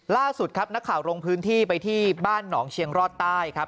ล่าสุดครับนักข่าวลงพื้นที่ไปที่บ้านหนองเชียงรอดใต้ครับ